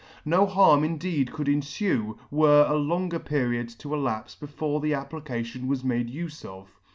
No harm indeed could enfue, were a longer period to elapfe before the application was made ufe of.